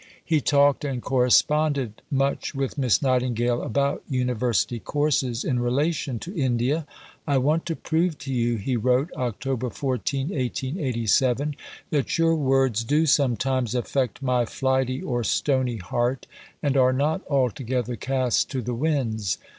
He talked and corresponded much with Miss Nightingale about University courses in relation to India. "I want to prove to you," he wrote (Oct. 14, 1887), "that your words do sometimes affect my flighty or stony heart and are not altogether cast to the winds.